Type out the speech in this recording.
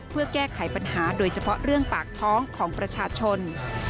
เพื่อแก้ไขปัญหาโดยเฉพาะเรื่องปากท้องของประชาชน